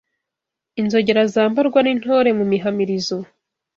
Inzogera zambarwa n’intore mu mihamirizo